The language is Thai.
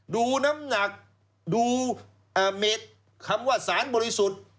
ดูน้ำหนักดูเม็ดคำว่าสารบริสุทธิ์